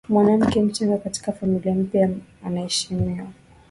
mwanamke mchanga katika familia mpya Na anaheshimiwa